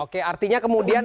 oke artinya kemudian